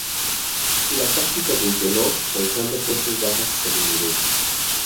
La táctica funcionó, causando fuertes bajas estadounidenses.